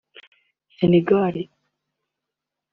Senegal